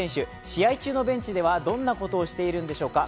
試合中のベンチでは、どんなことをしているのでしょうか。